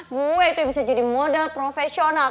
gue itu bisa jadi model profesional